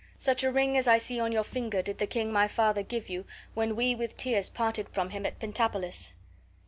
Such a ring as I see on your finger did the king my father give you when we with tears parted from him at Pentapolis."